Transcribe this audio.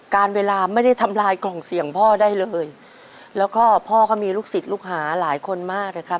การเวลาไม่ได้ทำลายกล่องเสียงพ่อได้เลยแล้วก็พ่อก็มีลูกศิษย์ลูกหาหลายคนมากนะครับ